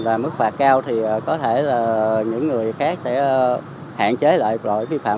và mức phạt cao thì có thể là những người khác sẽ hạn chế lại lỗi vi phạm